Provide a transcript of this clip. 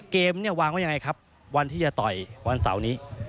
เกมเนี่ยวางไว้ยังไงครับวันที่จะต่อยวันเสาร์นี้